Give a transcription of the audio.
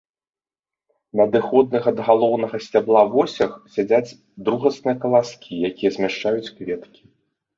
На адыходных ад галоўнага сцябла восях сядзяць другасныя каласкі, якія змяшчаюць кветкі.